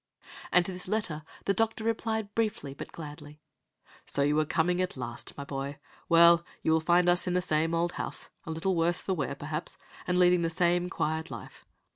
And to this letter the doctor replied briefly but gladly: "So you are coming at last, my boy! Well, you will find us in the same old house, a little the worse for wear, perhaps, and leading the same quiet life.